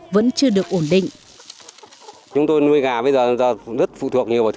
vẫn chưa được ổn định